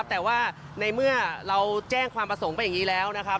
แต่ว่าในเมื่อเราแจ้งความประสงค์ไปอย่างนี้แล้วนะครับ